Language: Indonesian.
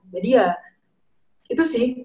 jadi ya itu sih